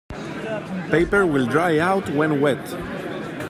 Paper will dry out when wet.